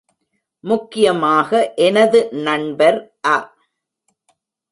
முக்கியமாக எனது நண்பர் அ.